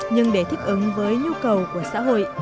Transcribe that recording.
nhưng để thích ứng với nhu cầu của xã hội